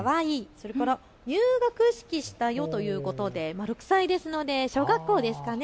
それから入学式したよということで６歳ですので小学校ですかね。